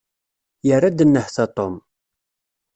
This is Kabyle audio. Yerra-d nnehta Tom.